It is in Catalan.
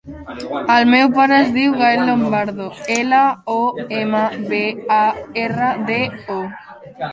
El meu pare es diu Gael Lombardo: ela, o, ema, be, a, erra, de, o.